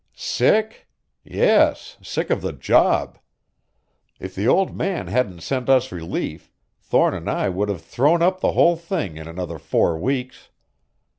"Sick? yes, sick of the job! If the old man hadn't sent us relief Thorne and I would have thrown up the whole thing in another four weeks.